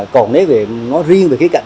còn nếu về nó riêng về cái cạnh